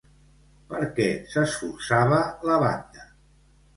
Per què s'esforçava la banda?